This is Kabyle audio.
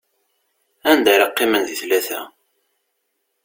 Anda ara qqimen di tlata?